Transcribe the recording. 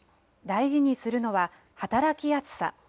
大事にするのは働きやすさ。